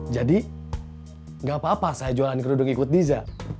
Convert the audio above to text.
jadi nggak apa apa saya jualan kerudung ikut diza